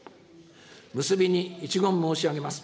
結びに、一言申し上げます。